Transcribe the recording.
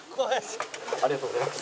ありがとうございます。